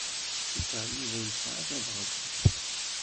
Cukkeɣ Yuba yesɛa tabɣest.